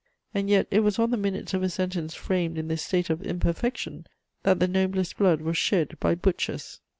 And yet it was on the minutes of a sentence framed in this state of imperfection that the noblest blood was shed by butchers!